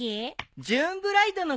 ジューンブライドのことだね。